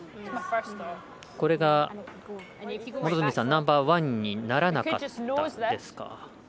これがナンバーワンにならなかったですか。